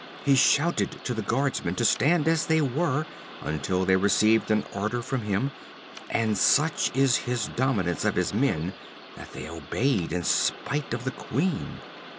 He shouted to the guardsmen to stand as they were until they received an order from him and such is his dominance of his men, that they obeyed in spite of the queen.